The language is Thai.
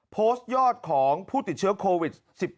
โพสต์ยอดของผู้ติดเชื้อโควิด๑๙